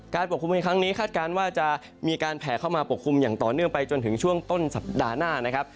ปกคลุมในครั้งนี้คาดการณ์ว่าจะมีการแผ่เข้ามาปกคลุมอย่างต่อเนื่องไปจนถึงช่วงต้นสัปดาห์หน้านะครับ